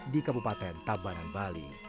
di kabupaten tabanan bali